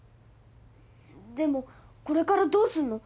でもこれからどうするの？